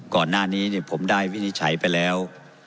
ก่อนหน้านี้ผมได้วินิจฉัยไปแล้ว